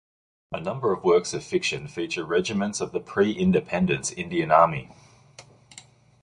A number of works of fiction feature regiments of the pre-Independence Indian Army.